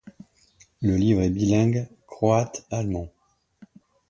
Le livre est bilingue croate-allemand.